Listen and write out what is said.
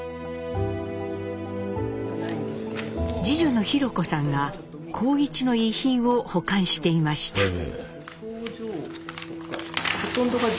次女の弘子さんが幸一の遺品を保管していました。